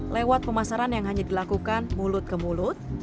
lewat pemasaran yang hanya dilakukan mulut ke mulut